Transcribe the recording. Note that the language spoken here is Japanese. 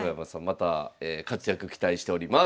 また活躍期待しております。